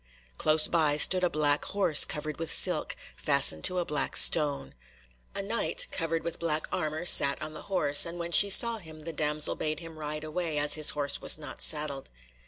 Close by stood a black horse covered with silk, fastened to a black stone. A Knight, covered with black armour, sat on the horse, and when she saw him the damsel bade him ride away, as his horse was not saddled.